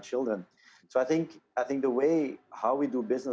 cara kita melakukan bisnis